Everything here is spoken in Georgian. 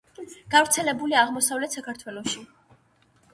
გავრცელებულია აღმოსავლეთ საქართველოში.